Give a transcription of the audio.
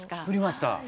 降りました。